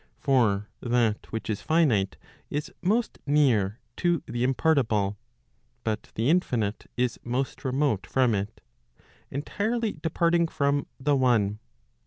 For that which is finite is most near to the impartible, hut the infinite is most remote from it, entirely departing from the one.